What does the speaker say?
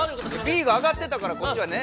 Ｂがあがってたからこっちはね